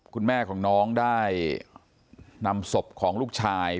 คุณแม่ของน้องได้นำศพของลูกชาย